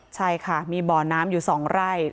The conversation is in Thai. ใช่ค่ะมีบ่อน้ำอยู่๒ไร่